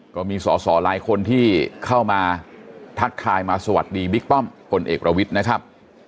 ก็มีสอสอหลายคนที่เข้ามาทักทายมาสวัสดีบิ๊กป้อมพลเอกประวิทย์นะครับ